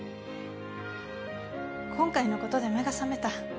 今回のことで目が覚めた。